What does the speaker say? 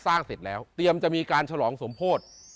เสร็จแล้วเตรียมจะมีการฉลองสมโพธิ